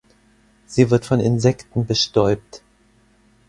Sie wird von Insekten bestäubt.